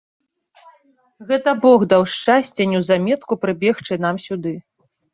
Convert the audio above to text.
Гэта бог даў шчасце неўзаметку прыбегчы нам сюды.